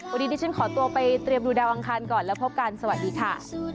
วันนี้ดิฉันขอตัวไปเตรียมดูดาวอังคารก่อนแล้วพบกันสวัสดีค่ะ